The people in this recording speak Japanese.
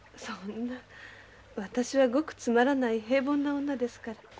そんな私はごくつまらない平凡な女ですから。